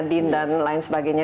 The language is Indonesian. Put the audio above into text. din dan lain sebagainya